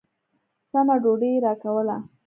سمه ډوډۍ يې راکوله.